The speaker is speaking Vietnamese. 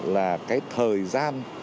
là cái thời gian